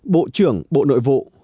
bộ trưởng bộ nội vụ